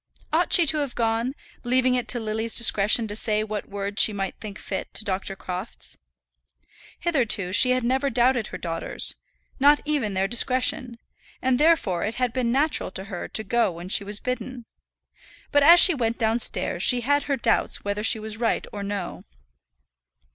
Ought she to have gone, leaving it to Lily's discretion to say what words she might think fit to Dr. Crofts? Hitherto she had never doubted her daughters not even their discretion; and therefore it had been natural to her to go when she was bidden. But as she went downstairs she had her doubts whether she was right or no.